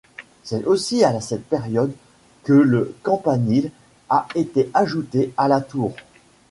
C'est aussi à cette période que le campanile a été ajouté à la tour.